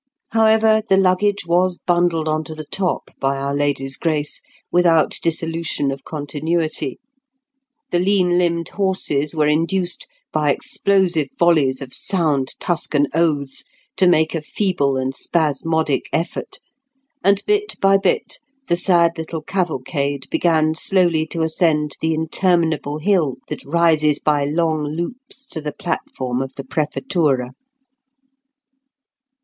However, the luggage was bundled on to the top by Our Lady's grace, without dissolution of continuity; the lean limbed horses were induced by explosive volleys of sound Tuscan oaths to make a feeble and spasmodic effort; and bit by bit the sad little cavalcade began slowly to ascend the interminable hill that rises by long loops to the platform of the Prefettura.